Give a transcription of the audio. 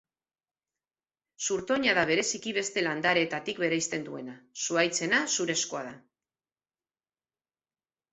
Zurtoina da bereziki beste landareetatik bereizten duena, zuhaitzena zurezkoa da.